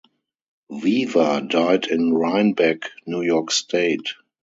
Weaver died in Rhinebeck, New York state.